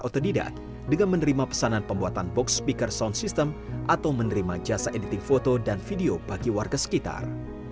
otodidak dengan menerima pesanan pembuatan box speaker sound system atau menerima jasa editing foto dan video bagi warga sekitar